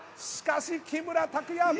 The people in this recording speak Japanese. しかし木村拓哉